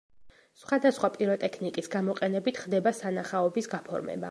სხვადასხვა პიროტექნიკის გამოყენებით ხდება სანახაობის გაფორმება.